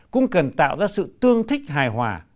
cũng cần tạo ra sự tương thích hài hòa